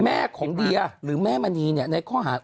แม่ของเดียหรือแม่มณีเนี่ยในข้อหา